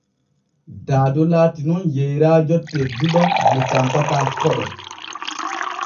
Daado laatinun yeyraajo tedduɗo mo tanpata koɗo.